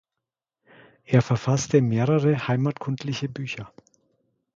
Er verfasste mehrere heimatkundliche Bücher.